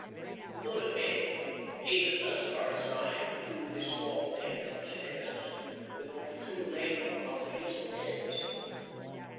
We go to bed. Eight of us are assigned to a small den upstairs, with only two lame apologies for beds.